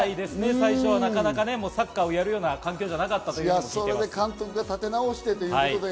最初はサッカーをやるような環境じゃなかったということです。